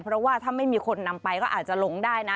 เพราะว่าถ้าไม่มีคนนำไปก็อาจจะหลงได้นะ